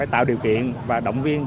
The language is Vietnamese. tạo điều kiện và động viên